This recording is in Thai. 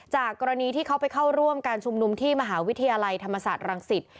กรณีที่เขาไปเข้าร่วมการชุมนุมที่มหาวิทยาลัยธรรมศาสตร์รังสิต